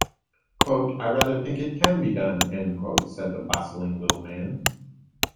‘I rather think it can be done,’ said the bustling little man.